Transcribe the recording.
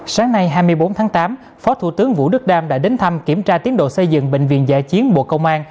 sáng nay hai mươi bốn tháng tám phó thủ tướng vũ đức đam đã đến thăm kiểm tra tiến độ xây dựng bệnh viện giã chiến bộ công an